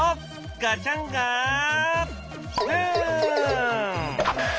ガチャンガフン！